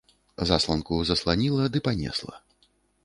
Засланку засланіла ды панесла.